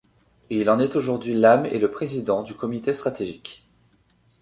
Il en est aujourd'hui l'âme et le président du comité stratégique.